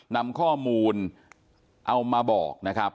นำข้อมูลเอามาบอกนะครับ